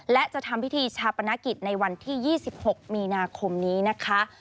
และจะทำพิธีชาปนกิจในวันที่๒๖มีนาคมนี้นะคะ